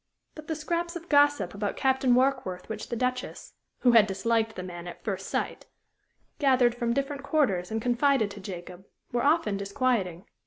But the scraps of gossip about Captain Warkworth which the Duchess who had disliked the man at first sight gathered from different quarters and confided to Jacob were often disquieting.